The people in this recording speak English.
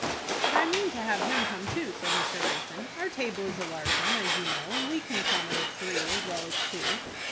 "But I mean to have him come too," said Mr. Greyson. "Our table is a large one, as you know, and we can accommodate three as well as two."